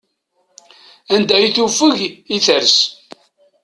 Anda i tufeg i ters.